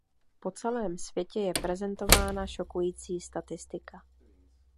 Po celém světě je prezentována šokující statistika .